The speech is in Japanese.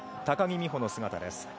高木美帆の姿です。